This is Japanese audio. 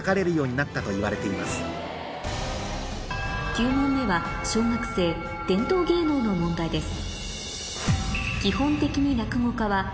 ９問目は小学生伝統芸能の問題です